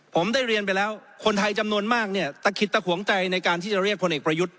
ผมได้เรียนไปแล้วคนไทยจำนวนมากเนี่ยตะขิดตะขวงใจในการที่จะเรียกพลเอกประยุทธ์